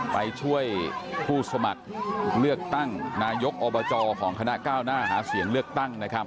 ไปช่วยผู้สมัครเลือกตั้งนายกอบจของคณะก้าวหน้าหาเสียงเลือกตั้งนะครับ